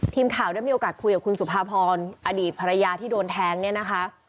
ทีมข่าวได้มีโอกาสคุยกับคุณสุภาพรอดีตภรรยาที่โดนแทงเนี่ยนะคะ